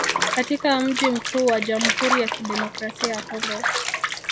katika mji mkuu wa Jamhuri ya Kidemokrasia ya Kongo